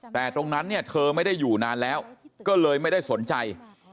แต่ตรงนั้นเนี่ยเธอไม่ได้อยู่นานแล้วก็เลยไม่ได้สนใจ